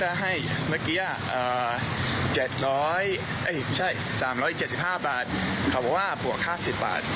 อ่า๗๐๐เอ้ยใช่๓๗๕บาทเขาบอกว่าบวกค่า๑๐บาท